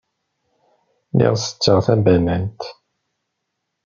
Lliɣ tetteɣ tabanant.